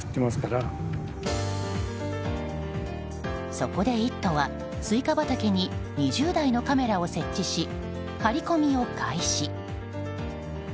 そこで「イット！」はスイカ畑に２０台のカメラを設置し張り込みを開始。